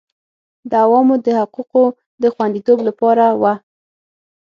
د عوامو د حقوقو د خوندیتوب لپاره وه